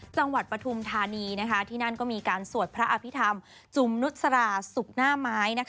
จังหวัดปฐุมธานีที่นั่นก็มีการสวดพระอภิษฐรรมจุมนุตสราสุขหน้าไม้